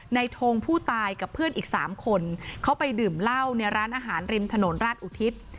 ทงผู้ตายกับเพื่อนอีกสามคนเขาไปดื่มเหล้าในร้านอาหารริมถนนราชอุทิศ